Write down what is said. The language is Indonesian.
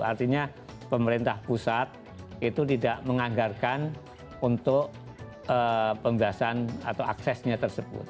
artinya pemerintah pusat itu tidak menganggarkan untuk pembasan atau aksesnya tersebut